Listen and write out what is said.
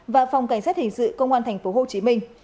và phòng cảnh sát hình sự công an thành phố hồ chí minh